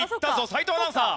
斎藤アナウンサー。